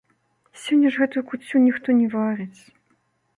Сёння ж гэтую куццю ніхто не варыць.